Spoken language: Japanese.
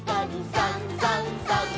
「さんさんさん」